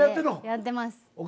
やってますよ。